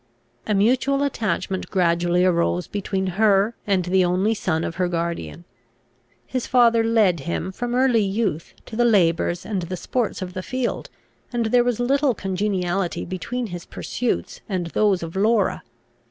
A mutual attachment gradually arose between her and the only son of her guardian. His father led him, from early youth, to the labours and the sports of the field, and there was little congeniality between his pursuits and those of Laura.